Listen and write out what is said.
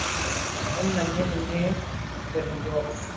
ان ننھے مننھے پرندوں